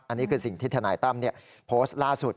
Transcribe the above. อันนี้คือสิ่งที่ทนายตั้มโพสต์ล่าสุด